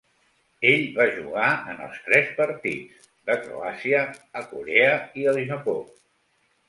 Ell va jugar en els tres partits de Croàcia a Corea i el Japó.